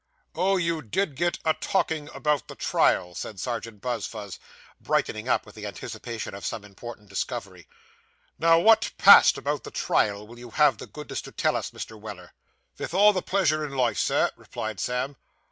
'Oh, you did get a talking about the trial,' said Serjeant Buzfuz, brightening up with the anticipation of some important discovery. 'Now, what passed about the trial; will you have the goodness to tell us, Mr. Weller'?' 'Vith all the pleasure in life, sir,' replied Sam.